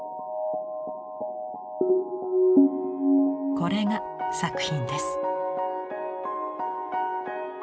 これが作品です。